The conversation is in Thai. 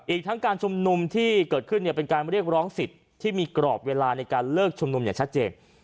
อีกทั้งการชุมนุมที่เกิดขึ้นเป็นการเรียกร้องสิทธิ์ที่มีกรอบเวลาในการเลิกชุมนุมอย่างชัดเจน